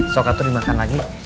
soka tuh dimakan lagi